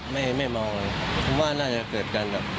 ที่ว่ามันอยู่เกือบใครมัน